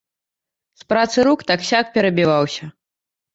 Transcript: З працы рук так-сяк перабіваўся.